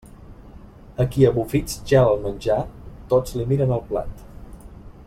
A qui a bufits gela el menjar, tots li miren el plat.